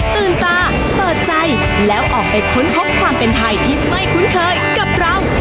ตื่นตาเปิดใจแล้วออกไปค้นพบความเป็นไทยที่ไม่คุ้นเคยกับเรา